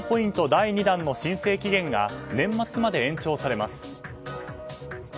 第２弾の申請期限が年末まで延長されます。